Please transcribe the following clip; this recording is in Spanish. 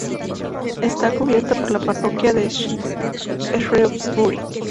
Está cubierta por la parroquia de Shrewsbury.